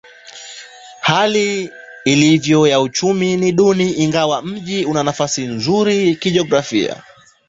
Hivyo hali ya uchumi ni duni ingawa mji una nafasi nzuri kijiografia.